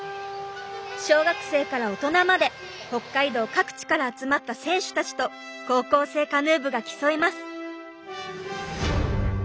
小学生から大人まで北海道各地から集まった選手たちと高校生カヌー部が競います。